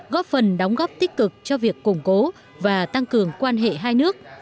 góp phần đóng góp tích cực cho việc củng cố và tăng cường quan hệ hai nước